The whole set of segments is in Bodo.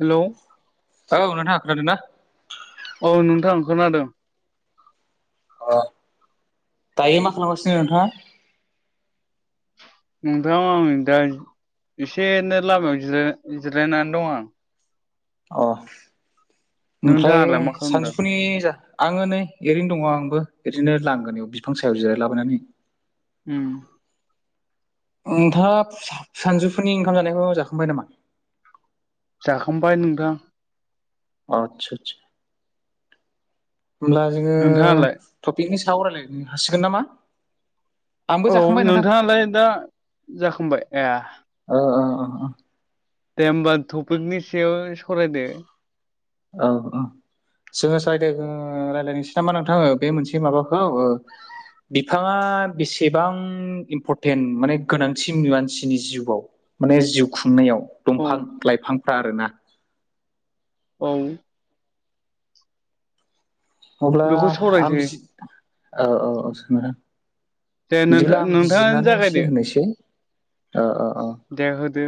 हेलौ औ औनावथ हाखोनादोंदों ना औ नोंथांाओ खोनादों अ दायो मा खालामगासिनो नोंथाङा नोंथां आं दा एसेनो लामायाव जिराय जिरायनानै दं आं अ ओमफ्राय नोंथाङालाय मा खालामदों सानजौफुनि जा आङो नै ओरैनो दङ आंबो ओरैनो लांगोन बेयाव बिफां सायाव जिरायलाबायनानै उम नोंथाङा सानजौफोरनि ओंखाम जानायखौ जाखांबाय नामा? जाखांबाय नोंथां। आतसा आसा होनब्ला जोङो नोंथाङालाय टपिकनि साव रायलायनो हासिगोन नामा आंबो औ जाखांबाय नोंथां नोंथाङालाय दा जाखांबाय ए औ अ अ अ दे होमबा टपिकनि सायाव सावरायदो। औ औ जोङो स रायदो रायज्लायनोसै नामा नोंथां बे मोनसे माबाखौ ओ बिफाङा बेसेबां इम्परटेन्ट माने गोनांसिन मानसिनि जिउआव। माने जिउ खुंनायाव औ दंफां लाइफांफ्रा आरोना। औ अब्ला बेखौ आं सावरायसै बिज औ औ औ सो दे नोंथां बिदिब्ला आं नोंथाङानो बिजिरनानै जागायदो एसे होनोसै। ओओ औ देरहोदो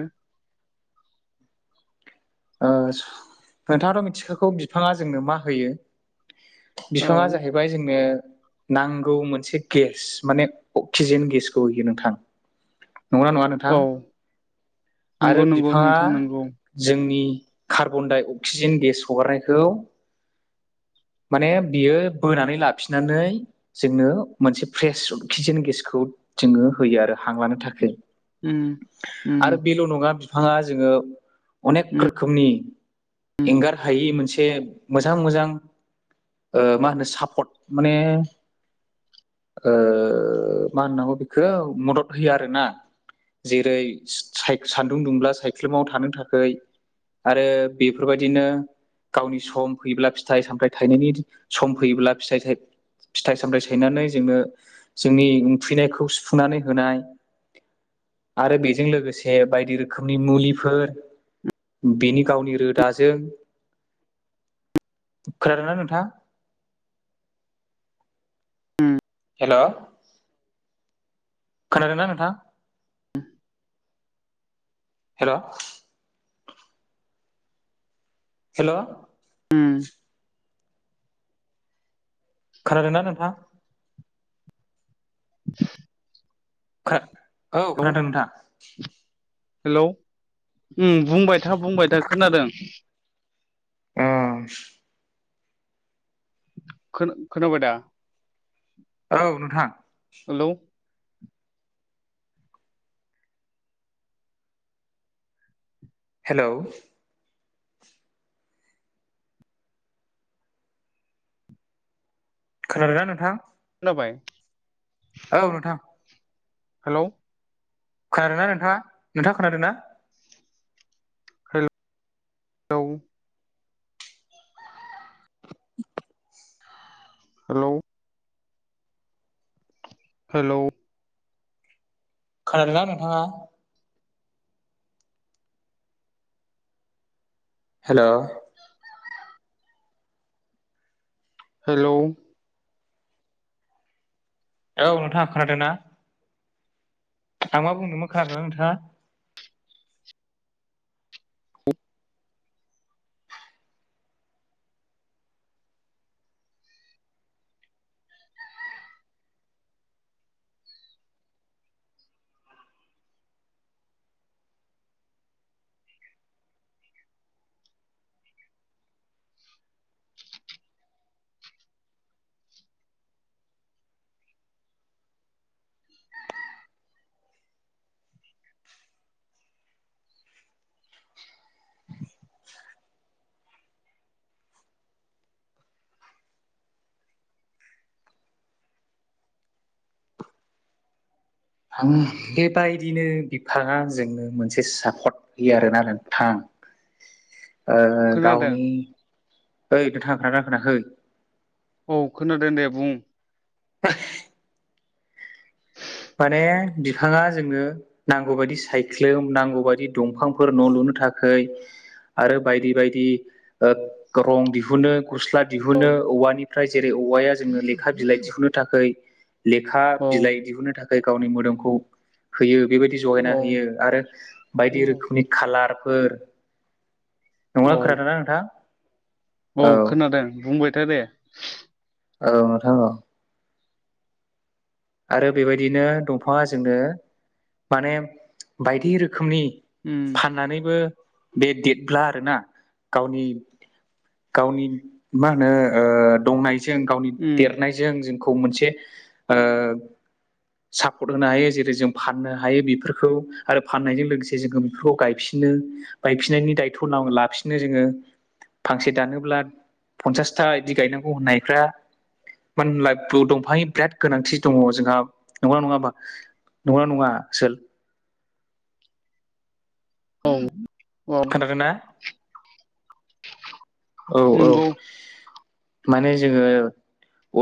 ओ नोंथाङाथ' मिथिखखौ बिफाङा जोंनो मा होयो। औ बिफाङा जाहैबाय जोंनो नांगौ मोनसे गेस माने अक्सिजेन गेसखौ होयो नोंथां। नंना नङा नोंथां औ नंगौ आरो नंगौ बिफाङा नोंथां नंगौ जोंनि कार्बन दाइ अक्सिजेन गेस हगारनायखौ माने बियो बोनानै लाफिननानै जोंनो मोनसे फ्रेस अक्सिजेन गेसखौ जोङो होयो आरो हां लानो थाखै। उम उम आरो बेल' नङा बिफाङा जोङो अनेक रोखोमनि उम एंगार हायि मोनसे मोजां मोजां ओ मा होनो सापर्ट माने ओ मा होननांगौ बेखो मदद होयो आरोना। जेरै साय सानदुं दुंब्ला सायख्लुमाव थानो थाखै आरो बेफोरबायदिनो गावनि सम फैयोब्ला फिथाइ सामथाय थायनायनि सम फैयोब्ला फिथाइ थाइ फिथाइ सामथाइ सायनानै जोंनो जोंनि उखैनायखौ सुफुंनानै होनाय आरो बेजों लोगोसे बायदि रोखोमनि मुलिफोर बिनि गावनि रोदाजों खोनादों ना नोंथा? हेल' खोनादोंना नोंथां? [inaudible] हेल' हेलौ उम खोनादों ना नोंथां? [inaudible] औ खोनादों हेलौ नोंथां। हेलौ उम बुंबाय था बुंबाय था खोनादों। उम खोनाबाय दा औ नोंथां। हेलौ हेलौ खोनादोना नोंथां? खोनाबाय औ नोंथां। हेलौ खोनादों नना नोंथाङा नोंथाङा खोनादों ना हेलौ हेलौ हेलौ खोनादोंना नोंथाङा हेल' हेलौ औ नोंथाङा खोनादों ना आं मा बुंदोंमोन खोनादोंना नोंथाङा आं बेबायदिनो बिफाङा जोंनो मोनसे सापर्ट होयो आरो ना नोंथां [inaudible] खोनादों गावनि ओइ नोंथां खोनादों ना खोनायाखै औ खोनादों दे बुं [unintelligible] माने बिफाङा जोंनो नांगौ बायदि सायख्लुम नांगौ बायदि दंफांफोर न' लुनो थाखाय आरो बायदि बायदि रं दिहुनो गस्ला औ दिहुनो औवानि ओमफ्राय जेरै औवाया जोंनो लेखा बिलाइ दिहुननो थाखाय लेखा औ बिलाइ दिहुननो थाखाय थाखाय गावनि मोदोमखौ होयो बेबायदि जगायना औ होयो आरो बायदि रोखोमनि खाालारफोर नंगौना औ खोनादोंना नोंथाङा औ खोनादों बुंबायथा दे औ नोंथां औ आरो बेबायदिनो दंफाङा जोंनो माने बायदि रोखोमनि उम फाननानैबो बे देरब्ला आरोना गावनि गावनि मा होनो दंनाय जों गावनि उम देरनायजों जोंखौ मोनसे [inaudible] सापर्ट होनो हायो जेरै जों फाननो हायो बेफोरखौ आरो फाननायजों लोगोसे जोङो बेफोरखौ गायफिनो गायफिननायनि दायथ' न लाफिनो जोङो फांसे दानोब्ला फन्सासथा बिदि गायनांगौ होननायफ्रा मानो होनलाय ब्लु दंफांनि बिराद गोनांथि दङ' जोंहा नंगौना नङा होनोमा नंना नङा आसोल औ औ नंंगौना [inaudible] औ औ नंगौ माने जोङो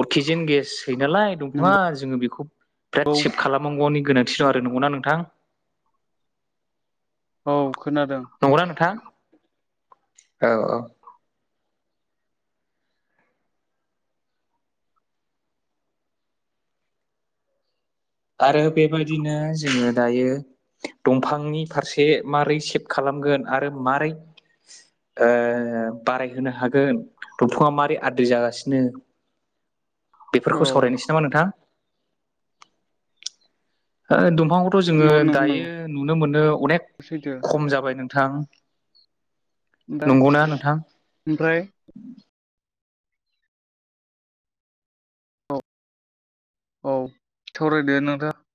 अक्सिजेन गेस फायो नालाय दंफाङा नंगौ जोङो बेखौ औ बिराद सेभ खालामनांगौनि गोनांथि दं आरो नंगौना नोंथां औ खोनादों नंगौना नोंथां औ औ आरो बेबायादिनो जोङो दायो दंफांनि फारसे माबारै सेभ खालामगोन आरो मारै बारायहोनो हागोन दंफाङा मारै आद्रि जागासिनो [inaudible] औ बेफोरखौ सावरायनोसै नामा नोंथां दंफांखौथ' जोङो नंगौ नंगौ दायो नंगौ नुनो मोनो अनेक सैथो खम जाबाय नोंथां दा नंगौना नोंथां ओमफ्राय औ औ सावरायदो नोंथां